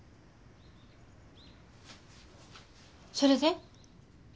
それで？